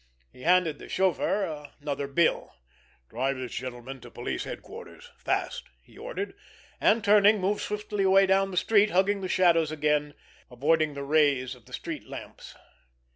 He handed the chauffeur another bill. "Drive this gentleman to police headquarters—fast!" he ordered, and, turning, moved swiftly away down the street, hugging the shadows again, avoiding the rays of the street lamps.